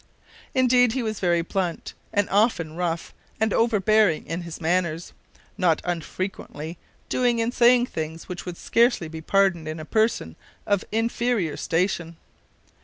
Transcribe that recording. Indeed, he was very blunt, and often rough and overbearing in his manners, not unfrequently doing and saying things which would scarcely be pardoned in a person of inferior station.